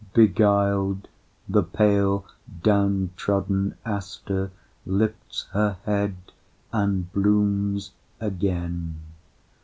Beguiled, the pale down trodden aster lifts Her head and blooms again.